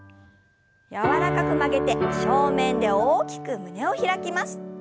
柔らかく曲げて正面で大きく胸を開きます。